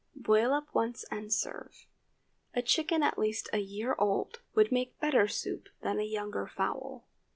Boil up once and serve. A chicken at least a year old would make better soup than a younger fowl.